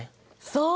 そう。